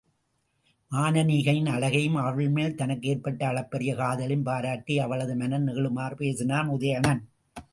மானனீகையின் அழகையும் அவள்மேல் தனக்கு எற்பட்ட அளப்பரிய காதலையும் பாராட்டி அவளது மனம் நெகிழுமாறு பேசினான் உதயணன்.